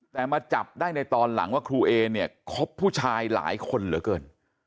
แต่มาจับได้ในตอนหลังว่าครูเอเนี่ยคบผู้ชายหลายคนเหลือเกิน